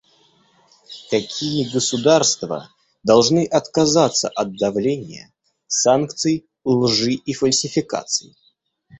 Такие государства должны отказаться от давления, санкций, лжи и фальсификаций.